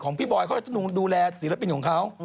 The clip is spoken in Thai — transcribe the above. พี่บอยเขาจะดูแลศิลปินของเขา